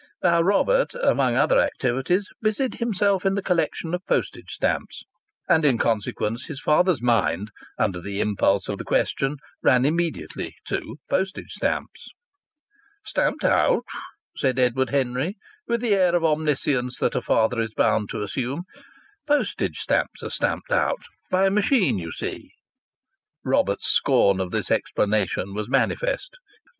Now Robert, among other activities, busied himself in the collection of postage stamps, and in consequence his father's mind, under the impulse of the question, ran immediately to postage stamps. "Stamped out?" said Edward Henry, with the air of omniscience that a father is bound to assume. "Postage stamps are stamped out by a machine you see." Robert's scorn of this explanation was manifest.